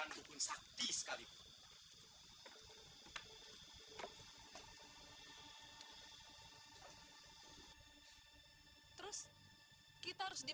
mau jadi kayak gini sih salah buat apa